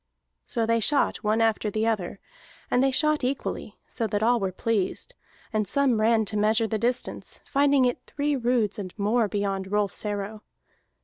So they shot one after the other, and they shot equally, so far that all were pleased, and some ran to measure the distance, finding it three roods and more beyond Rolfs arrow.